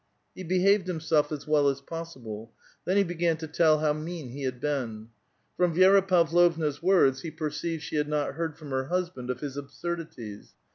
He beiiaved himself as well as possible ; then he began to tell how mean he had been. From Vi^ra Pavlovua's words lie perceived slie had not heard fix>m her husband of his absurdities.